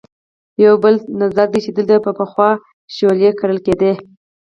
یو بل نظر دی چې دلته به پخوا شولې کرلې کېدې.